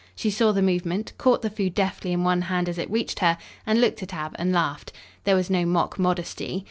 She saw the movement, caught the food deftly in one hand as it reached her, and looked at Ab and laughed. There was no mock modesty.